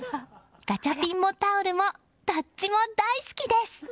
ガチャピンもタオルもどっちも大好きです！